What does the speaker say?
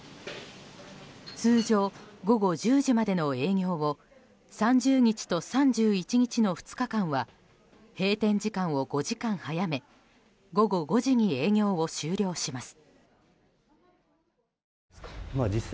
通常、午後１０時までの営業を３０日と３１日の２日間は閉店時間を５時間早め午後５時に営業を終了します。